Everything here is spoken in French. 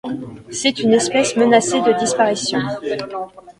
C'est une espèce menacée de disparition.